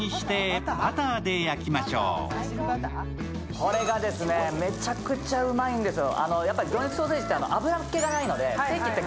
これがめちゃくちゃうまいんですよ。